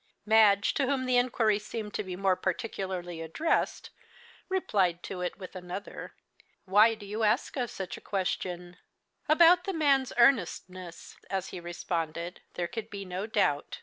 Madge, to whom the inquiry seemed to be more particularly addressed, replied to it with another. "Why do you ask us such a question?" About the man's earnestness, as he responded, there could be no doubt.